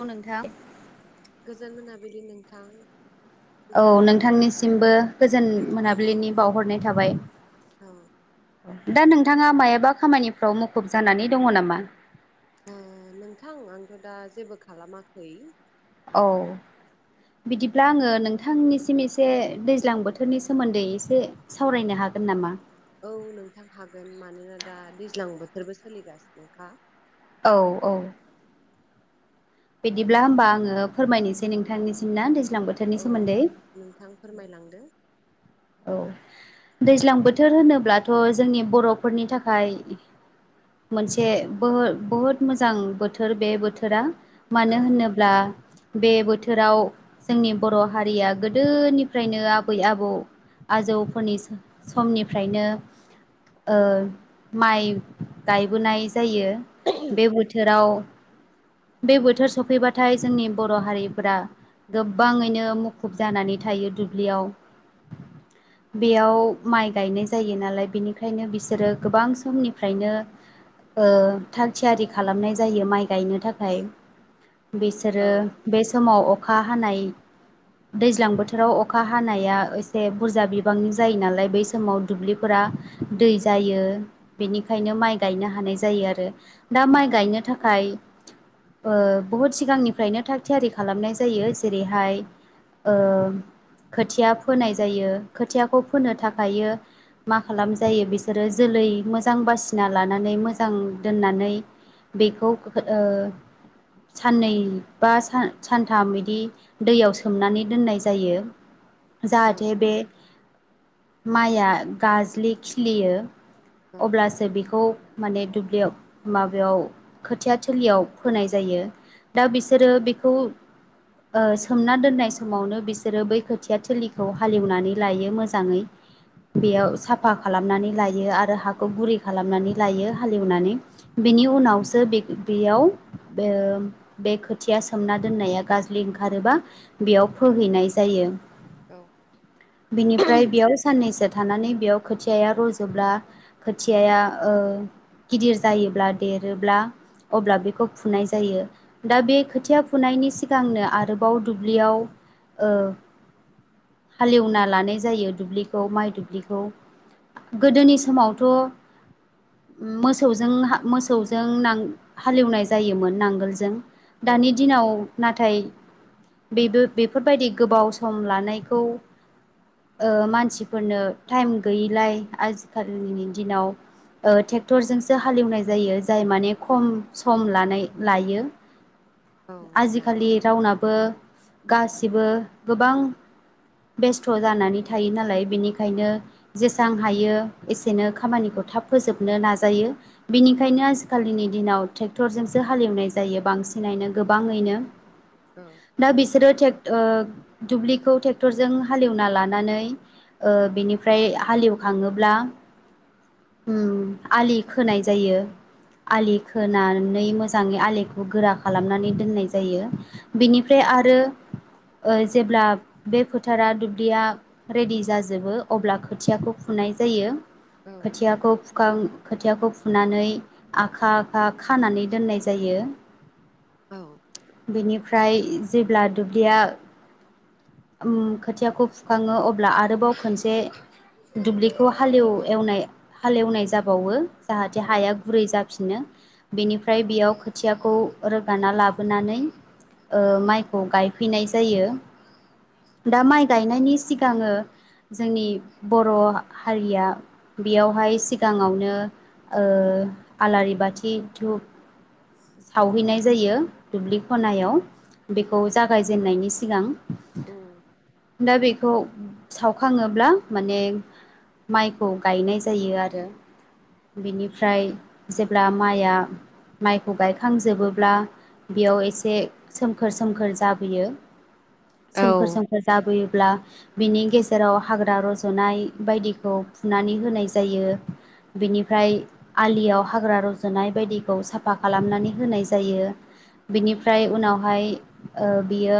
औ नोंथां गोजोन मोनाबिलि नोंथां औ खुलुमबाय नोंथांनिसिमबो गोजोन मोनाबिलिनि बावहरनाय थाबाय। औ दा नोंथाङा मायाबा खामानिफ्राव मुखुब जानानै दङ नामा? ओ नोंथां आंथ' दा जेबो खालामाखै। औ बिदिब्ला आङो नोंथांनिसिम एसे दैज्लां बोथोरनि सोमोन्दै एसे सावरायनो हागोन नामा? औ नोंथां हागोन मानोना दा दैज्लां बोथोरबो सोलिगासिनोखा। औ औ बिदिब्ला होमबा आङो फोरमायनोसै नोंथांनिसिम ना? दैज्लां बोथोरनि औ सोमोन्दै नोंथां फोरमायलांदो औ दैज्लां बोथोर होनोब्लाथ' जोंनि बर'फोरनि थाखाय मोनसे बहु बहुद मोजां बोथोर बे बोथोरा मानो औ होनोब्ला बे बोथोराव जोंनि बर' हारिया गोदोनिफ्रायनो आबै आबौ आजौफोरनि समनिफ्रायनो माइ गायबोनाय जायो। बे बोथोराव [inaudible] बे बोथोर सफैबाथाय जोंनि बर' हारिफोरा गोबाङैनो मुखुब जानानै थायो। बे दुब्लियाव बेयाव माइ गायनाय जायो नालाय बेनिखायनो बिसोरो गोबां समनिफ्रायनो ओ थाग थियारि खालामनाय जायो माइ गायनो थाखाय औ बिसोरो बे समाव अखा हानाय दैज्लां बोथोराव अखा हानाया एसे बुरजा बिबांनि जायो नालाय बै समाव दुब्लिफोरा दै जायो। बेनिखायनो माइ गायनो हानाय जायो आरो। दा औ माइ गायनो थाखाय बुहुद सिगांनिफ्रायनो थाग थियारि खालामनाय जायो। जेरैहाय खोथिया फोनाय जायो खोथियाखौ फोनो थाखाय मा खालाम जायो बिसोरो जोलै मोजां बासिना लानानै मोजां दोननानै। बेखौ साननै बा सानथाम इदि दैयाव सोमनानै दोननाय जायो। [unintelligible] औ जाथे बे माइआ गाजलि खिलियो। औ अब्लासो बेखौ माने दुब्लियाव माबायाव खोथिया थोलियाव फोनाय जायो। दा बिसोरो बेखौ सोमना दोननाय समावनो बिसोरो बै खोथिया थोलि। खौ हालेवनानै लायो मोजाङै। बेयाव साफा खालामनानै लायो आरो हाखौ गुरै खालामनानै लायो हालेवनानै बे। बेनि उनावसो बेयाव बे खोथिया सोमना दोननाया गाज्लि ओंखारो। एबा बेयाव फोहैनाय जायो। औ बिनिफ्राय बेयाव साननैसो थानानै। बेयाव खोथियाया रज'ब्ला खोथियाया गिदिर जायोब्ला देरोब्ला अब्ला बेखौ फुनाय जायो दा बे खोथिया फुनायनि सिगांनो आरोबाव दुब्लियाव। हालेवना लानाय जायो दुब्लिखौ माइ दुब्लिखौ गोदोनि समावथ'। मोसौजों मोसौजों हालेवनाय जायोमोन नांगोलजों। औ दानि दिनाव नाथाय बेबो बेफोरबायदि गोबाव सम लानाय। खौ मानसिफोरनो टाइम गैयिलाय आजिखालिनि दिनाव। ट्रेक्टरजोंसो हालेवनाय जायो जाय माने खम सम लानाय लायो। औ नोंथां आजिखालि रावनाबो गासिबो गोबां बेस्थ' जानानै थायो नालाय बेनिखायनो जेसां हायो एसेनो खामानिखौ। थाब फोजोबनो नाजायो बेनिखायनो आजिखालिनि दिनाव। बांसिनैनो गोबाङैनो औ दा बिसोरो ट्रेक्टर ओ दुब्लिखौ ट्रे ट्रेक्टरजों हालएवना लानानै बिनिफ्राय हाले एवखाङोब्ला ओम आलि खोनाय जायो। आलि खोनानै मोजाङै आलिखौ गोरा खालामनानै दोननाय जायो बेनिफ्राय आरो जेब्ला बे फोथारा दुब्लिया रेडि जाजोबो अब्ला खोथियाखौ फुनाय जायो। औ खोथियाखौ फुखां खोथियाखौ फुनानै आखा आखा खानानै दोननाय जायो। औ बेनिफ्राय जेब्ला दुब्लिया खोथियाखौ फुखाङो अब्ला आरोबाव खोनसे। दुब्लिखौ हाले एवनाय हाले एवनाय जाबावो। जाहाथे औ हाया गुरै जाफिनो। बेनिफ्राय बेयाव खोथियाखौ रोगाना लाबोनानै। माइखौ गायफैनाय जायो। दा माइ गायनायनि सिगाङो जोंनि बर' हारिया बेयावहाय सिगाङावनो। ओ आलारि बाथि धुप सावहैनाय जायो दुब्लि खनायाव। बेखौ जागायजेननायनि सिगां उम दा बिख खौ सावखाङोब्ला माने माइखौ गायनाय जायो आरो बिनिफ्राय जेब्ला माइआ माइखौ गायखांजोबोब्ला। बेयाव एसे सोमखोर सोमखोर जाबोयो। औ सोमखोर सोमखोर जाबोयोब्ला बिनि गेजेराव हाग्रा रज'नाय बायदिखौ फुनानै होनाय जायो। बिनिफ्राय आलियाव हाग्रा रजुनाय बायदिखौ साफा खालामनानै होनाय जायो। बिनिफ्राय उनावहाय बियो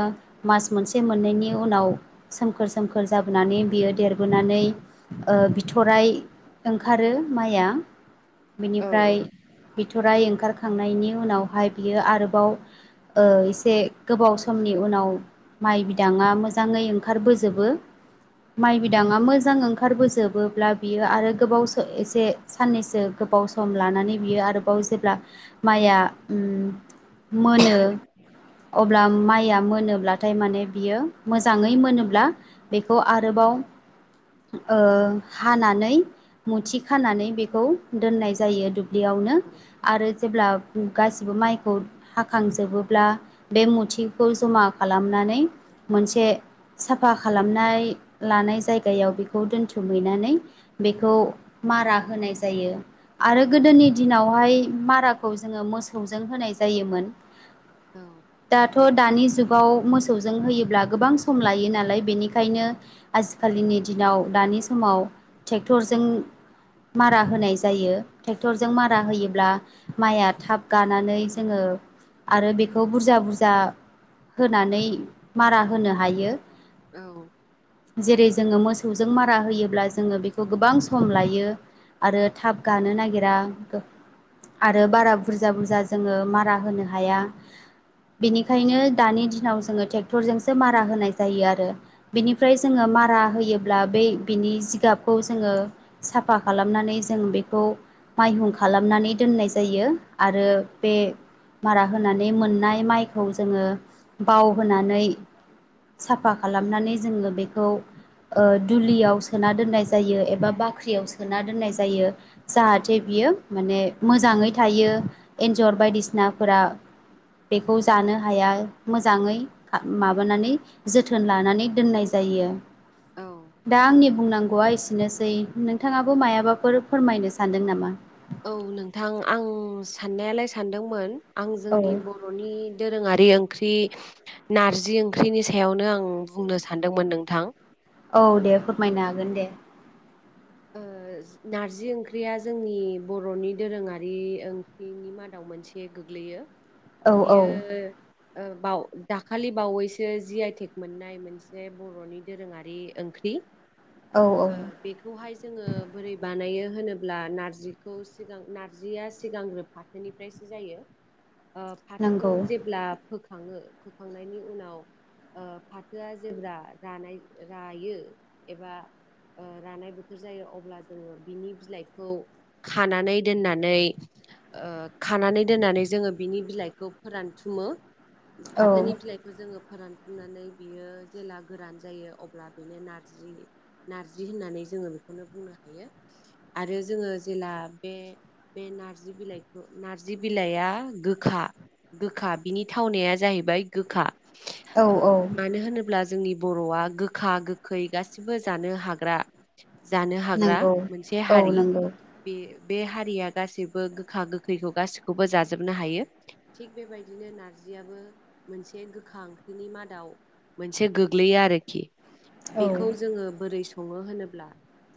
मास मोनसे मोननैनि उनाव सोमखोर सोमखोर जाबोनानै बियो देरबोनानै बिथराइ ओंखारो माइआ औ बेनिफ्राय बिथराइ ओंखारखांनायनि उनावहाय बियो आरोबाव एसे गोबाव समनि उनाव माइ बिदाङा मोजाङै ओंखारबोजोबो माइ बिदाङा मोजां ओंखारबोजोबोब्ला बियो आरो गोबाव एसे साननैसो गोबाव सम लानानै बियो आरोबाव जेब्ला माइआ ओम मोनो अब्ला माइया मोनोब्ला नाथाय माने बियो मोजाङै मोनोब्ला बेखौ आरोबाव ओ हानानै मुथि खानानै बेखौ दोननाय जायो। बेयावनो औ आरो जेब्ला गासिबो माइखौ हाखांजोबोब्ला बे मुथिखौ जमा खालामनानै मोनसे साफा खालामनाय लानाय जायग गायाव बेखौ दोनथुमहैनानै बेखौ मारा होनाय जायो आरो गोदो -नि दिनावहाय माराखौ जोङो मोसौजों होनाय जायोमोन। औ दाथ' दानि जुगाव मोसौजों होयोब्ला गोबां सम लायो नालाय बेनिखायनो आथिखालिनि दिनाव दानि समाव ट्रेक्टरजों मारा होनाय जायो ट्रेक्टरजों मारा होयोब्ला माया थाब गानानै जोङो आरो बेखौ बुरजा बुरजा होनानै मारा होनो हायो। औ जेरै जोङो मोसौजों मारा होयोब्ला जोङो बेखौ गोबां सम लायो। आरो थाब गानो नागिरा आरो बारा बुरजा बुरजा जोङो मारा होनो हाया बेनिखायनो दानि दिनाव जोङो ट्रेक्टरजोंसो मारा होनाय जायो आरो बेनिफ्राय जोङो मारा होयोब्ला बै बिनि जिगाबखौ जोङो साफा खालामनानै जों बेखौ माइहुं खालामनानै दोननाय जायो आरो बे मारा होनानै मोननाय माइखौ जोङो बाव होनानै साफा खालामनानै जोङो बेखौ ओ दुलियाव सोना दोननाय जायो एबा बाख्रियाव सोना दोननाय जायो जाहाथे बियो। यो माने मोजाङै थायो एन्जर बायदिसिनाफोरा बेखौ जानो हाया मोजाङै माबानानै जोथोन लानानै दोननाय जायो। जायो। औ दा आंनि बुंनांगौआ एसेनोसै नोंथाङाबो मायाबाफोर फोरमायनो सानदों नामा? औ नोंथां आं साननायालाय सानदोंमोन। आं औ जोंनि बर'नि दोरोङारि ओं ख्रि नारजि ओंख्रिनि सायावनो आं बुंनो सानदोंमोन नोंथां। औ दे फोरमायनो हागोन दे। ओ नारजि ओंख्रिया जोंनि बर'नि दोरोङारि ओंख्रिनि मादाव मोनसे गोग्लैयो औ औ बियो ओ बाव दाखालि बावैसो जि आइटेक मोननाय मोनसे बर'नि दोरोङारि ओंख्रि औ औ ओ बेखौहाय जोङो बोरै बानायो होनोब्ला नार्जिखौ सिगां नार्जिया सिगांग्रोब फाथोनिफ्रायसो जायो। [inaudible] ओ फाथोखौ नंगौ जेब्ला फोखाङो फोखांनायनि उनाव ओ फाथोआ जेब्ला रानाय रायो एबा ओ रानाय बोथोर जायो अब्ला जोङो बिनि बिलाइखौ खानानै दोननानै ओ खानानै दोननानै जोङो बिनि बिलाइखौ फोरानथुमो औ फाथोनि बिलाइखौ जोङो फोरानफुंनानै बियो जेला गोरान जायो अब्ला बेनो नारजि नारजि होननानै जोङो बेखौनो बुंनो हायो आरो जोङो जेला बे बे नार्जि बिलाइखौ नार्जि बिलाइआ गोखा गोखा बिनि थावनाया जाहैबाय गोखा औ ओ औ मानो होनोब्ला जोंनि बर'आ गोखा गोखै गासिबो जानो हाग्रा जा ग्रा नंगौ मोनसे औ हारि नंगौ बे बे हारिया गासैबो गोखा गोखैखौ गाैखौबो जाजोबनो हायो थिग बेबायदिनो नारजि नारजियाबो मोनसे गोखा ओंख्रिनि मादाव मोनसे गोग्लैयो आरोखि औ बेखौ जोङो बोरै सङो होनोब्ला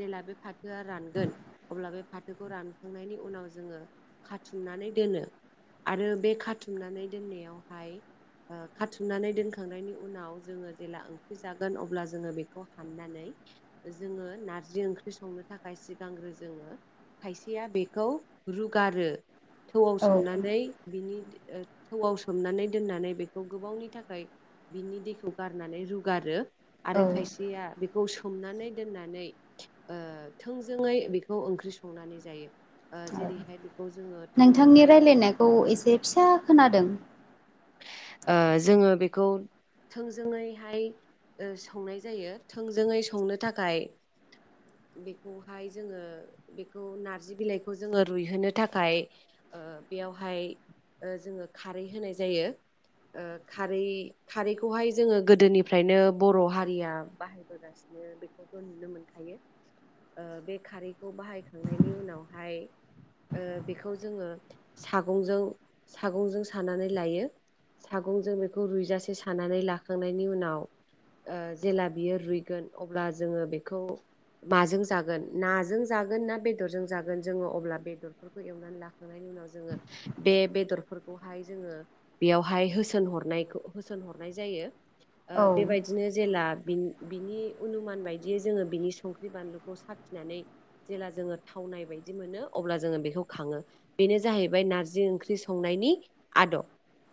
जेला बे फाथोआ रानगोन अब्ला बे फाथोखौ रानखांनायनि उनाव जोङो खाथुमनानै दोनो आरो बे खाथुमनानै दोननायावहाय ओ खाथुमनानै दोनखांनायनि उनाव जोङो जेला ओंख्रि जागोन अब्ला जोङो बेखौ हाननानै जोङो नारजि ओंख्रि ख्रि संनो थाखाय सिगांग्रो जोङो खाइसेया बेखौ रुगारो थौआव औ सोमनानै बिनि थौआव सोमनानै दोननानै बेखौ गोबावनि थाखाय बिनि दैखौ गारनानै रुगारो आरो औ खायसेया बेखौ सोमनानै दोननानै ओ थोंजोङै बेखौ ओंख्रि संनानै जायो ओ औ जेरैहाय बेखौ जोङो नोंथांनि थौआवहाय रायलायनायखौ एसे फिसा खोनादों ओ जोङो बेखौ थोंजोङैहाय ओ संनाय जायो थोंजोङै संनो थाखाय बेखौहाय जोङो बेखौ नारजि बिलाइखौ जोङो रुइहोनो थाखाय बेयावहाय जोङो खारै होनाय जायो [inaudible] ओ खारै खारैखौहाय जोङो गोदोनिफ्रायनो बर' हारिया बाहायबोगासिनो बेखौथ' नुनो मोनखायो बे खारैखौ बाहायखांनायनि उनावहाय बेखौ जोङो सागंजों सागंजों सानानै लायो सागंजों बेखौ रुइजासे सानानै लाखांनायनि उनाव जेला बियो रुइगोन अब्ला जोङो बेखौ माजों जागोन नाजों जागोन ना बेदरजों जागोन जोङो अब्ला बेदरफोरखौ एवनानै लाखांनायनि न उनाव जोङो बे बेदरफोरखौहाय जोङो बेयावहाय होसोनहरनायखौ होसोनहरनाय जायो औ बेबायदिनो जेला बिनि अनुमान बायदियै जोङो बिनि संख्रि बानलुखौ साथिनानै जेला जोङो थाव नाय बायदि मोनो अब्ला जोङो बेखौ खाङो बेनो जाहैबाय नारजि ओंख्रि संनायनि आदब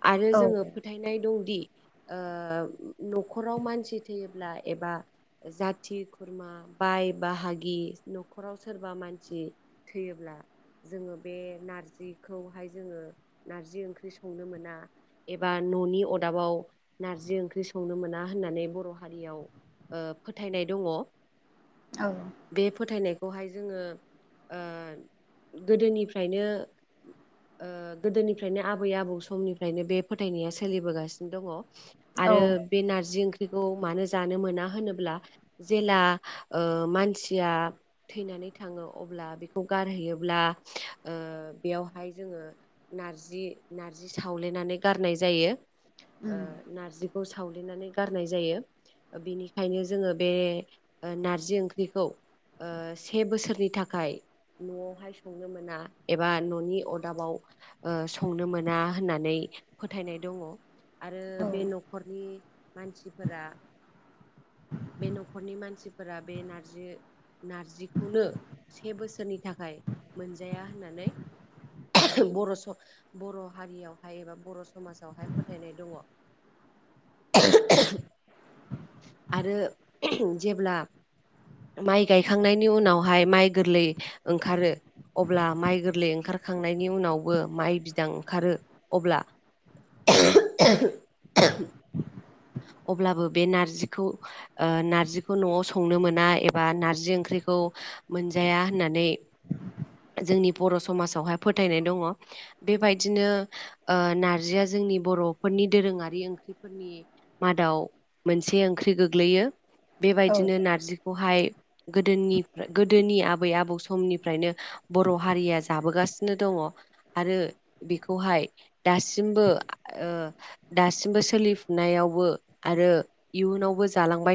आरो औ जोङो फोथायनाय दंदि न'खराव मानसि थैयोब्ला एबा जाथि खुरमा बाय बाहागि न'खराव सोरबा मानसि थैयोब्ला। जोङो बे नारजिखौहाय जोङो नारजि ओंख्रि संनो मोना। एबा न'नि अरदाबाव नारजि ओंख्रि संनो मोना होननानै बर' हारियाव फोथायनाय दङ औ बे फोथायनायखौहाय जोङो गोदोनिफ्रायनो गोदोनिफ्रायनो आबै आबौ समनिफ्राय फ्रायनो बे फोथायनाया सोलिबोगासिनो दङ औ आरो बे नारजि ओंख्रि मानो जानो मोना होनोब्ला जेला मानसिया थैनानै थैनानै थाङो अब्ला बेखौ गारहैयोब्ला ओ बेयावहाय जोङो नारजि नारजि सावलेनानै गारनाय जायो ओ नारजिखौ साव नानै गारनाय जायो बेनिखायनो जोङो बे नारजि ओंख्रिखौ से बोसोरनि थाखाय न'आवहाय संनो मोना एबा न'नि अरदाबाव संनो मोना। होननानै फोथायनाय दङ। आरो बे औ न'खरनि मानसिफोरा। बे न'खरनि मानसिफोरा बे नारजि। नारजिखौनो से बोसोरनि थाखाय मोनजाया होननानै बर' बर' हारियावहाय एबा बर' समाजावहाय फोथायनाय दङ। [inaudible] आरो जेब्ला माइ गायखांनायनि उनावहाय माइ गोरलै ओंखारो। अब्ला माइ गोरलै ओंखारखांनायनि उनावबो माइ बिदां ओंखारो अब्ला। [inaudible] अब्लाबो बे नारजिखौ नारजिखौ न'आव संनो मोना एबा नारजि ओंख्रि। मोनजाया होननानै। जोंनि बर' समाजावहाय फोथायनाय दङ बेबायदिनो। नारजिया जोंनि बर'फोरनि दोरोङारि ओंख्रिफोरनि। आव मोनसे ओंख्रि गोग्लैयो। औ बेबायदिनो नारजिखौहाय गोदोनि गोदोनि आ। आबै आबौ समनिफ्रायनो बर' हारिया जाबोगासिनो दङ आरो बेखौहाय दासिमबो सोलिफुनायाव आरो इयुनावबो जालांबाय थायो